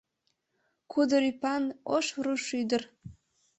Кудыр ӱпан ош руш ӱдыр.